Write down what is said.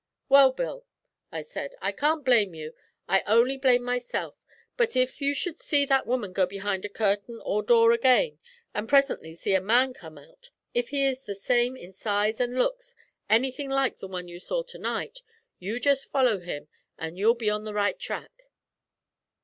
'Well, Bill,' I said, 'I can't blame you; I only blame myself; but if you should see that woman go behind a curtain or door again, and presently see a man come out, if he is the same in size and looks anything like the one you saw to night, you just follow him, and you'll be on the right track.'